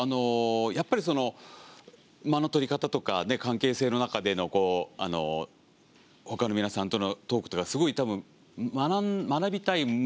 やっぱり間の取り方とか関係性の中でのほかの皆さんとのトークとかすごいたぶん学びたい盗もうとしてる人。